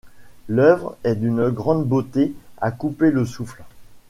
L’œuvre est d’une grande beauté à couper le souffle.